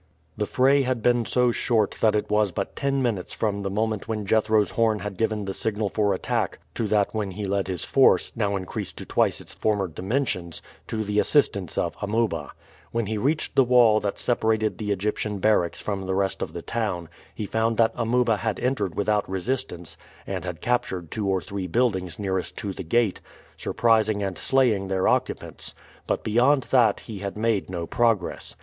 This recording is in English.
The fray had been so short that it was but ten minutes from the moment when Jethro's horn had given the signal for attack to that when he led his force, now increased to twice its former dimensions, to the assistance of Amuba. When he reached the wall that separated the Egyptian barracks from the rest of the town he found that Amuba had entered without resistance and had captured two or three buildings nearest to the gate, surprising and slaying their occupants; but beyond that he had made no progress.